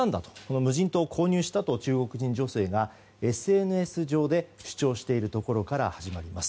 無人島を買ったと中国人女性がＳＮＳ上で主張していることから始まります。